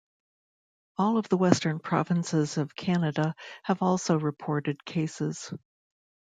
All of the western provinces of Canada have also reported cases.